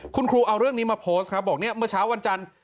คุณครูเอาเรื่องนี้มาโพสต์ครับบอกเนี่ยเมื่อเช้าวันจันทร์